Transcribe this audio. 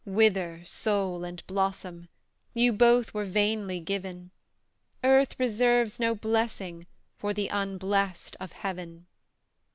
Wither soul and blossom! You both were vainly given; Earth reserves no blessing For the unblest of heaven!